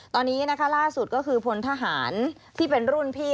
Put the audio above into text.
ตอนนี้นะคะล่าสุดก็คือพลทหารที่เป็นรุ่นพี่